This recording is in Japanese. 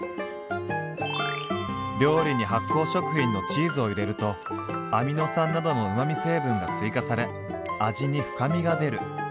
「料理に発酵食品のチーズを入れるとアミノ酸などのうまみ成分が追加され味に深みが出る」。